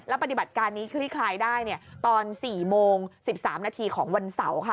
แล้วปฏิบัติการคลีกคลายได้เนี่ยตอนสี่โมงสิบสามนาทีของวันเสาร์ค่ะ